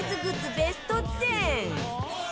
ベスト１０